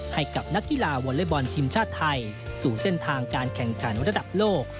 ให้กับนักกีฬาวอเล็กบอลทีมชาติไทยสู่เส้นทางการแข่งขันระดับโลก